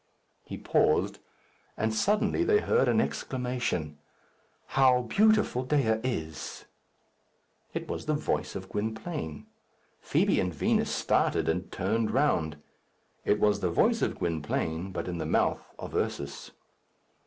He paused, and suddenly they heard an exclamation, "How beautiful Dea is!" It was the voice of Gwynplaine. Fibi and Vinos started, and turned round. It was the voice of Gwynplaine, but in the mouth of Ursus.